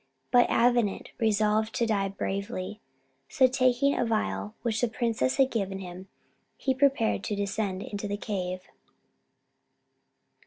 But Avenant resolved to die bravely; so, taking a phial which the princess had given him, he prepared to descend into the cave.